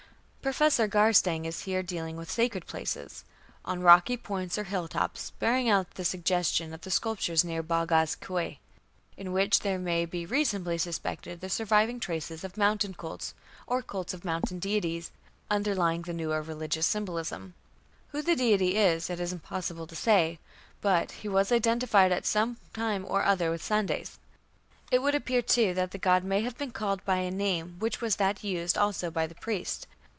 Professor Garstang is here dealing with sacred places "on rocky points or hilltops, bearing out the suggestion of the sculptures near Boghaz Keui, in which there may be reasonably suspected the surviving traces of mountain cults, or cults of mountain deities, underlying the newer religious symbolism". Who the deity is it is impossible to say, but "he was identified at some time or other with Sandes". It would appear, too, that the god may have been "called by a name which was that used also by the priest".